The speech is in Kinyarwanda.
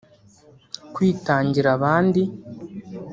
kwitangira abandi